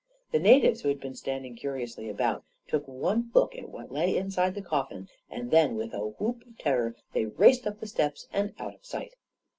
The natives, who had been standing curiously about, took one look at what lay inside the coffin, and then, with a whoop of terror, raced up the steps and out of sight.